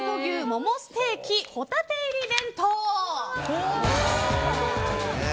モモステーキホタテ入り弁当。